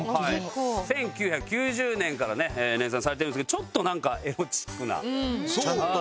１９９０年からね連載されてるんですけどちょっとなんかエロチックな。